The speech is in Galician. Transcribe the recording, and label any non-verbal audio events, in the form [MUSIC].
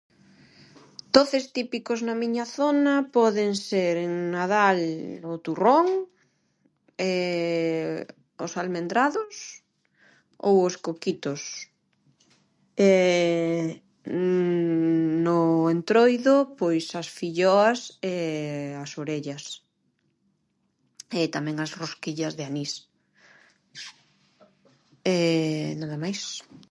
Doces típicos na miña zona poden ser en nadal o turrón, [HESITATION] os almendrados ou os coquitos. [HESITATION] No entroido, pois as filloas e as orellas e tamén as rosquillas de anís e nada máis.